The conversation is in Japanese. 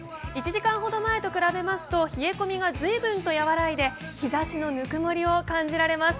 １時間ほど前と比べますと冷え込みがずいぶんと和らいで日ざしのぬくもりを感じられます。